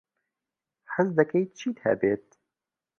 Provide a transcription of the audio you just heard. حەز دەکەیت چیت هەبێت؟